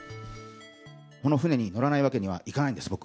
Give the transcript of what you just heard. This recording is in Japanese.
この船に乗らないわけにはいかないんです。